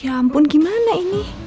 ya ampun gimana ini